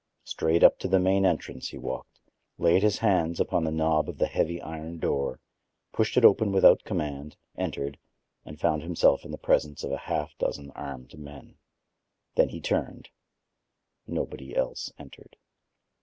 Straight up to the main entrance he walked, laid his hand upon the knob of the heavy iron door, pushed it open without command, entered and found himself in the presence of a half dozen armed men. Then he turned. Nobody else entered.